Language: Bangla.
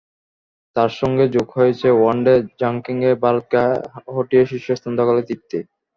তার সঙ্গে যোগ হয়েছে ওয়ানডে র্যাঙ্কিংয়ে ভারতকে হটিয়ে শীর্ষস্থান দখলের তৃপ্তি।